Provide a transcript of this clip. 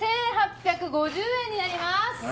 １８５０円になります。